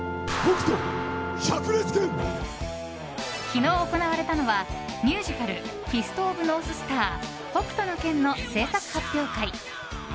昨日行われたのはミュージカル「フィスト・オブ・ノーススター北斗の拳」の製作発表会。